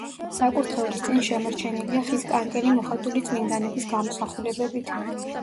საკურთხევლის წინ შემორჩენილია ხის კანკელი მოხატული წმინდანების გამოსახულებებით.